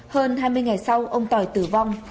hơn hai mươi ngày sau ông tỏi tử vong